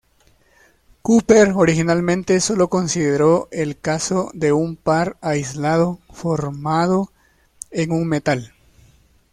Cooper originalmente solo consideró el caso de un par aislado formado en un metal.